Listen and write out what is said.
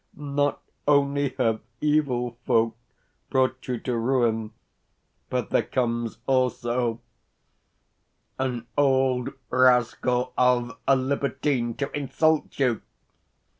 Not only have evil folk brought you to ruin, but there comes also an old rascal of a libertine to insult you!